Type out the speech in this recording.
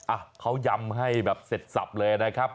อ่ะเขายำให้แบบเสร็จสับเลยนะครับ